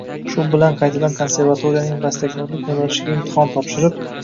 Shu bilan qaytadan konsevatoriyaning bastakorlik yo’nalishiga imtahon topshirib